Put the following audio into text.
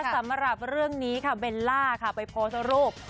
สำหรับเรื่องนี้ค่ะเบลล่าค่ะไปโพสต์รูป